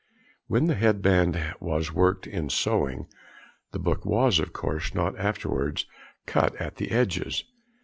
When the head band was worked in sewing, the book was, of course, not afterwards cut at the edges.